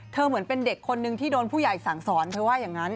เหมือนเป็นเด็กคนนึงที่โดนผู้ใหญ่สั่งสอนเธอว่าอย่างนั้น